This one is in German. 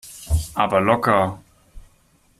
Aber locker!